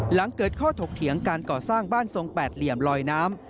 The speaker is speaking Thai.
หลังเกิดข้อถกเถียงการก่อสร้างบ้านทรงแปดเหลี่ยมลอยน้ำ